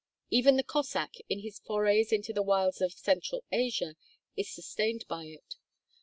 Even the Cossack, in his forays into the wilds of central Asia, is sustained by it.